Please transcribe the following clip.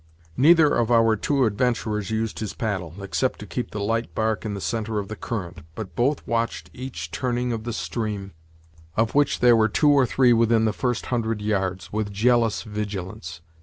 Neither of our two adventurers used his paddle, except to keep the light bark in the centre of the current, but both watched each turning of the stream, of which there were two or three within the first hundred yards, with jealous vigilance.